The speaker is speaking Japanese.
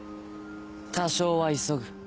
多少は急ぐ。